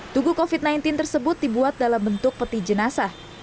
tugu covid sembilan belas tersebut dibuat dalam bentuk peti jenazah